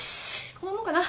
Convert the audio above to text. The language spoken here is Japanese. こんなもんかな。